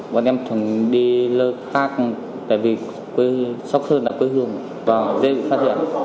bọn em thường đi lơ khác tại vì sốc hơn là quê hương và dễ bị phát hiện